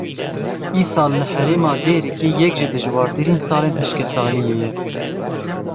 Îsal li herêma Dêrikê yek ji dijwartirîn salên hişkesaliyê ye.